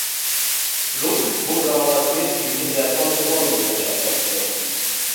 Blunck wurde auch als Mitglied in die Ponte-Molle-Gesellschaft aufgenommen.